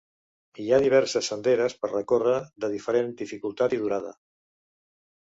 Hi ha diverses senderes per recórrer, de diferent dificultat i durada.